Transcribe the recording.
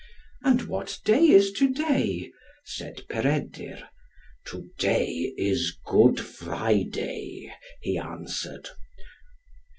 "And what day is to day?" said Peredur. "To day is Good Friday," he answered.